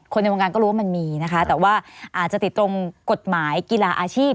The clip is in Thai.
ในวงการก็รู้ว่ามันมีนะคะแต่ว่าอาจจะติดตรงกฎหมายกีฬาอาชีพ